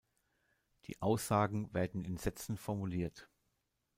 Die Aussagen werden in Sätzen formuliert.